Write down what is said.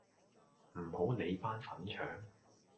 唔好理班粉腸